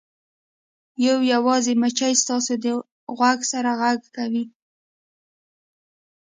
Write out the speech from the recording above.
یو یوازې مچۍ ستاسو د غوږ سره غږ کوي